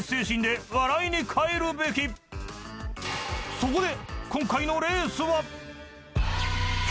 ［そこで］